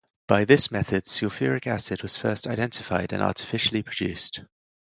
By this method sulfuric acid was first identified and artificially produced.